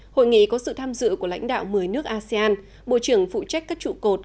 hội nghị có sự tham dự của lãnh đạo một mươi nước asean bộ trưởng phụ trách các trụ cột